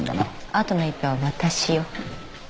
あとの１票は私よ。